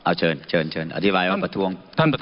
เอาเชิญเชิญอธิบายมาประทวง